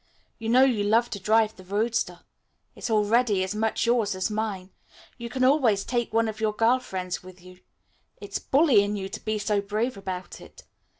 You know you love to drive the roadster. It's already as much yours as mine. You can always take one of your girl friends with you. It's bully in you to be so brave about it.